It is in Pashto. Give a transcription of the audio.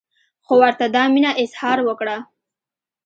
خو ورته دا مینه اظهار وکړه.